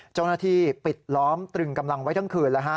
เจ้าหน้าที่ปิดล้อมตรึงกำลังไว้ทั้งคืน